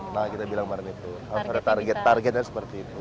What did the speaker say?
nah kita bilang kemarin itu targetnya seperti itu